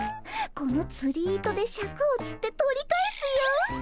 このつり糸でシャクをつって取り返すよ。